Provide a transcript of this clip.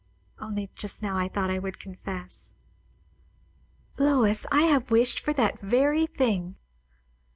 Only just now I thought I would confess." "Lois, I have wished for that very thing!"